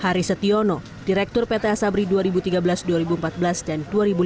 haris setiono direktur pt asabri dua ribu tiga belas dua ribu empat belas dan dua ribu lima belas dua ribu sembilan belas